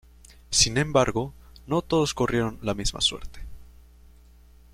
Sin embargo, no todos corrieron la misma suerte.